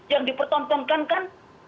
yang dipertontonkan kan